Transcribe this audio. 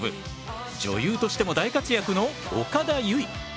女優としても大活躍の岡田結実。